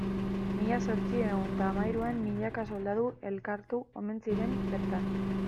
Mila zortziehun eta hamahiruan milaka soldadu elkartu omen ziren bertan.